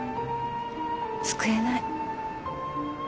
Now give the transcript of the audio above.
救えない。